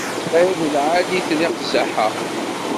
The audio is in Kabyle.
Ay d lεali-ten iqzaḥ-a!